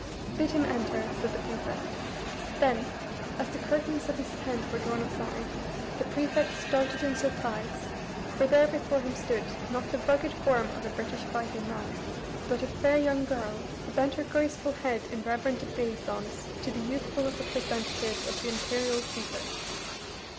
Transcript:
"Bid him enter," said the prefect. Then, as the curtains of his tent were drawn aside, the prefect started in surprise, for there before him stood, not the rugged form of a British fighting man, but a fair young girl, who bent her graceful head in reverent obeisance to the youthful representative of the Imperial Caesars.